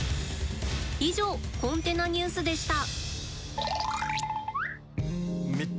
以上コンテナニュースでした。